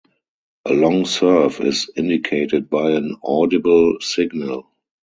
A long serve is indicated by an audible signal.